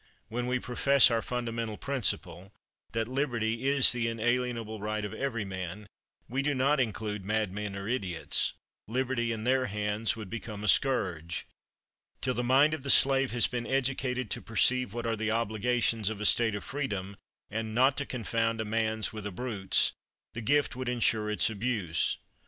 When we profess, as our fundamental principle, that liberty is the inalienable right of every man, we do not include madmen or idiots; liberty in their hands would become a scourge. Till the mind of the slave has been educated to perceive what are the obligations of a state of freedom, and not to confound a man's with a brute's, the gift would insure its abuse.